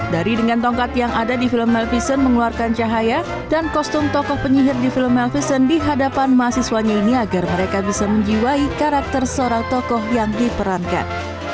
dari dengan tongkat yang ada di film melpison mengeluarkan cahaya dan kostum tokoh penyihir di film melfison di hadapan mahasiswanya ini agar mereka bisa menjiwai karakter seorang tokoh yang diperankan